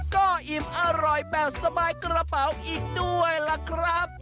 ก็อิ่มอร่อยแบบสบายกระเป๋าอีกด้วยล่ะครับ